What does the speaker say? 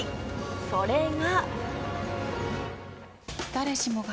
それが。